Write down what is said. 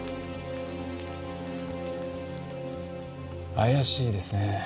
怪しいですねえ。